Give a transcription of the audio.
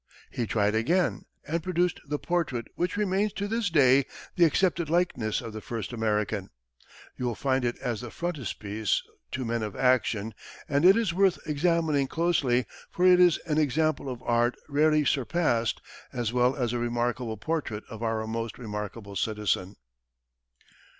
He tried again, and produced the portrait which remains to this day the accepted likeness of the First American. You will find it as the frontispiece to "Men of Action," and it is worth examining closely, for it is an example of art rarely surpassed, as well as a remarkable portrait of our most remarkable citizen.